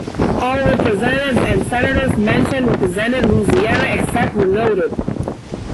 All representatives and senators mentioned represented Louisiana except where noted.